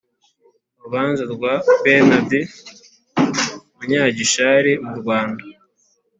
Urubanza rwa Bernard Munyagishali mu Rwanda.